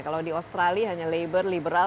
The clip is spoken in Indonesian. kalau di australia hanya labor liberal